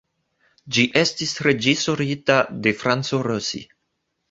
Ĝi estis reĝisorita de Franco Rossi.